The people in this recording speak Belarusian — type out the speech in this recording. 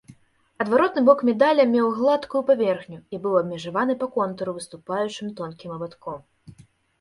Адваротны бок медаля меў гладкую паверхню і быў абмежаваны па контуры выступаючым тонкім абадком.